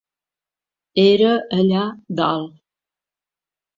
Era allà dalt.